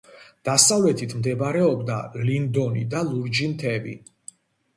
დასავლეთით მდებარეობდა ლინდონი და ლურჯი მთები.